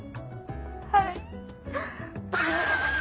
はい。